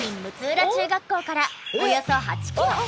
浦中学校からおよそ８キロ。